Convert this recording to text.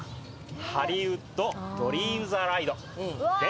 ハリウッド・ドリーム・ザ・ライドです。